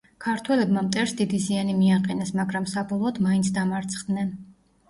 ქართველებმა მტერს დიდი ზიანი მიაყენეს, მაგრამ საბოლოოდ მაინც დამარცხდნენ.